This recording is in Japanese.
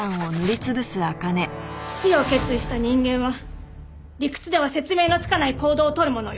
死を決意した人間は理屈では説明のつかない行動を取るものよ！